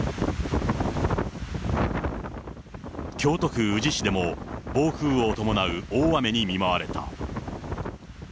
京都府宇治市でも暴風を伴う大雨に見舞われた。